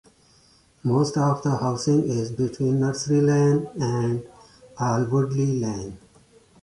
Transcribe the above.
Most of the housing is between Nursery Lane and Alwoodley Lane.